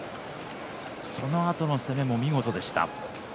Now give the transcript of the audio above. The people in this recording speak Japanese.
そのあとの攻めも見事でした。